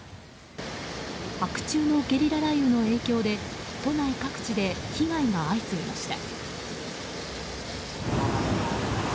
白昼のゲリラ雷雨の影響で都内各地で被害が相次ぎました。